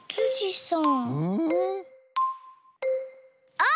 あっ！